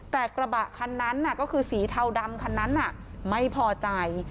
แต่กระบะคันนั้นก็คือสีเทาดำคันนั้นไม่พอใจ